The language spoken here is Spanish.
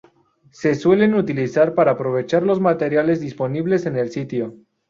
Se suelen utilizar para aprovechar los materiales disponibles en el sitio.